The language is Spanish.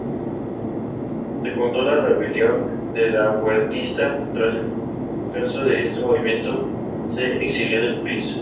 Secundó la Rebelión delahuertista; tras el fracaso de este movimiento se exilió del país.